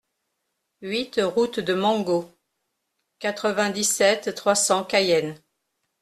huit route de Mango, quatre-vingt-dix-sept, trois cents, Cayenne